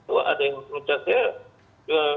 wah ada yang mecat saya